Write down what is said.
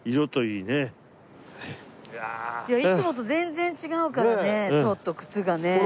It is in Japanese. いやいつもと全然違うからねちょっと靴がね。